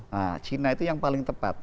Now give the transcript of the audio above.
nah china itu yang paling tepat